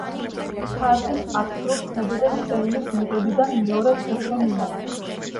ჰარდიმ აქტიურ ქმედებებს წერილის მიღებიდან მეორე დღესვე მიმართა.